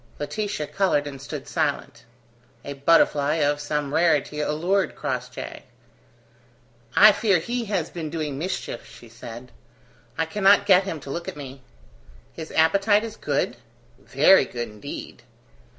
Laetitia coloured and stood silent. A butterfly of some rarity allured Crossjay. "I fear he has been doing mischief," she said. "I cannot get him to look at me." "His appetite is good?" "Very good indeed."